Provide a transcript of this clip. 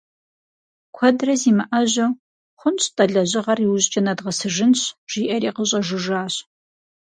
Куэдрэ зимыӏэжьэу «хъунщ-тӏэ, лэжьыгъэр иужькӏэ нэдгъэсыжынщ»,— жиӏэри къыщӏэжыжащ.